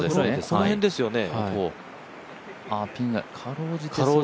この辺ですよね。